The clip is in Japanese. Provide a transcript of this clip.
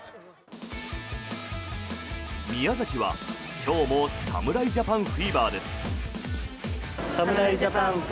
宮崎は今日も侍ジャパンフィーバーです。